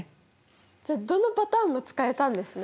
じゃあどのパターンも使えたんですね